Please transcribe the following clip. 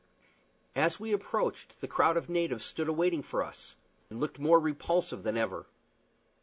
As we approached, the crowd of natives stood awaiting us, and looked more repulsive than ever.